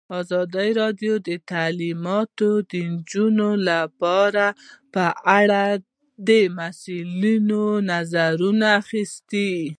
ازادي راډیو د تعلیمات د نجونو لپاره په اړه د مسؤلینو نظرونه اخیستي.